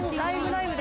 ライブ！」